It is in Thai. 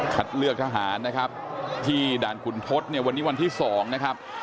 เลือกทหารนะครับที่ด่านขุนทศเนี่ยวันนี้วันที่๒นะครับ